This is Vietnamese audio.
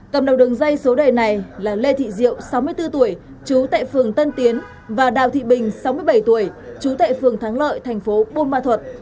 cầm đầu đường dây số đề này là lê thị diệu sáu mươi bốn tuổi chú tệ phường tân tiến và đào thị bình sáu mươi bảy tuổi chú tệ phường thắng lợi tp hcm